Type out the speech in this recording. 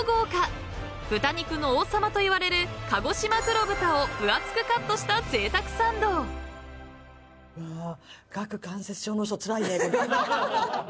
［豚肉の王様といわれるかごしま黒豚を分厚くカットしたぜいたくサンド］顎関節症の人つらいねこれ。